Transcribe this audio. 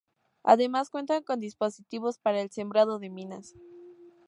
Además cuentan con dispositivos para el sembrado de minas.